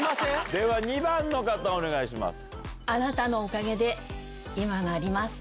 では２番の方お願いします。